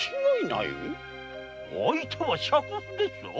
⁉相手は酌婦ですぞ。